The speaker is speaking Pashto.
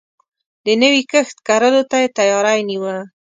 د نوی کښت کرلو ته يې تياری نيوه.